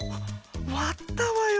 わったわよ